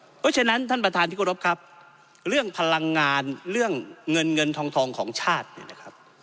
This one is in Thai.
เพราะฉะนั้นท่านประธานที่กรบครับเรื่องพลังงานเรื่องเงินเงินทองทองของชาติเนี่ยนะครับ